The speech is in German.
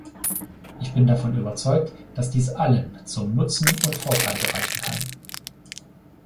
Ich bin davon überzeugt, dass dies allen zum Nutzen und Vorteil gereichen kann.